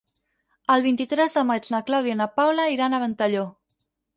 El vint-i-tres de maig na Clàudia i na Paula iran a Ventalló.